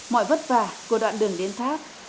mọi vất vả của đoạn đường đến thác